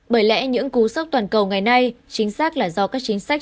bởi lẽ những cú sốc toàn cầu ngày nay chính xác là do các chính sách